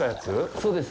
そうです。